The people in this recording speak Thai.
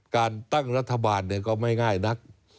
การตั้งรัฐบาลก็ไม่ง่ายนัก